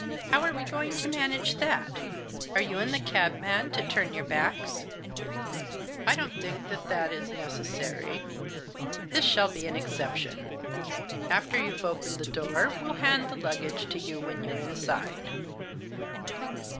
How are we going to manage that ? Are you and the cab man to turn your backs ?" u I don't think that that is necessary ; this shall be Digitized by 58 THE JOSS. an exception. After you've opened the door we'll hand the luggage to you when you're inside."